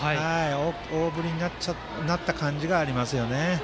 大振りになった感じがありますね。